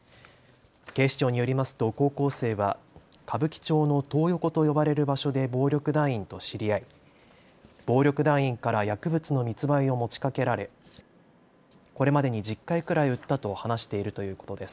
警視庁によりますと高校生は歌舞伎町のトー横と呼ばれる場所で暴力団員と知り合い暴力団員から薬物の密売を持ちかけられこれまでに１０回くらい売ったと話しているということです。